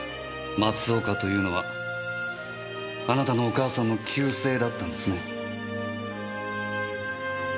松岡というのはあなたのお母さんの旧姓だったんですね。